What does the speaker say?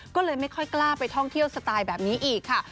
ก็เลยไม่ค่อยกล้าไปท่องเที่ยวสไตล์แบบนี้อีกค่ะ